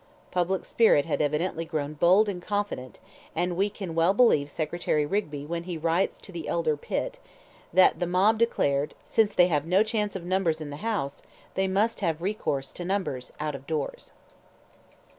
Public spirit had evidently grown bold and confident, and we can well believe Secretary Rigby when he writes to the elder Pitt, that "the mob" declared, "since they have no chance of numbers in the House, they must have recourse to numbers out of doors."